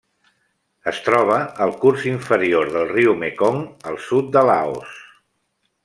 Es troba al curs inferior del riu Mekong al sud de Laos.